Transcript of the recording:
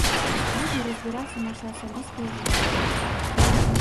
Будзе разбірацца наша асабістае жыццё.